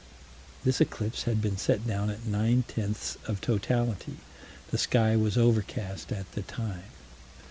This eclipse had been set down at nine tenths of totality. The sky was overcast at the time.